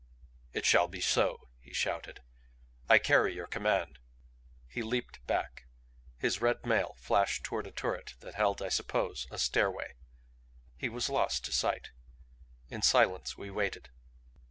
"It shall be so," he shouted. "I carry your command." He leaped back, his red mail flashed toward a turret that held, I supposed, a stairway. He was lost to sight. In silence we waited.